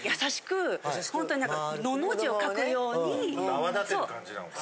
泡立てる感じなのかな？